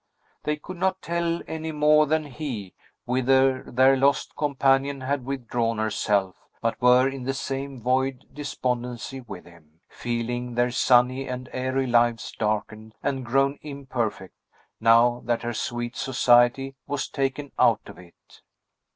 They could not tell, any more than he, whither their lost companion had withdrawn herself, but were in the same void despondency with him, feeling their sunny and airy lives darkened and grown imperfect, now that her sweet society was taken out of it.